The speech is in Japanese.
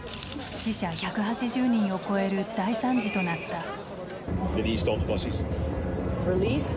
死者１８０人を超える大惨事となった。